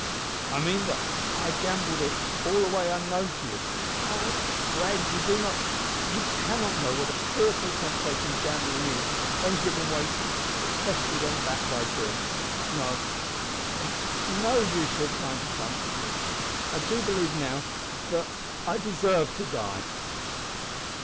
"I mean that I gambled it all away unknown to you. Oh! Fred, you do not you cannot know what a fearful temptation gambling is when given way to, especially when backed by drink. No, it's of no use your trying to comfort me. I do believe, now, that I deserve to die."